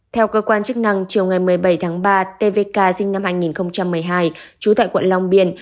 theo cơ quan chức năng chiều ngày một mươi bảy tháng ba tvk sinh năm hai nghìn một mươi hai trú tại quận long biên